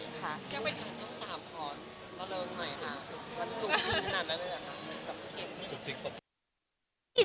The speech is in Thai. มันจุบจริงขนาดนั้นมั้ย